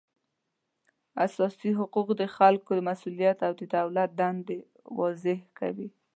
اساسي حقوق د خلکو مسولیت او د دولت دندې واضح کوي